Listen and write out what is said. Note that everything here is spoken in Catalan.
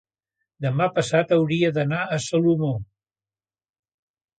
demà passat hauria d'anar a Salomó.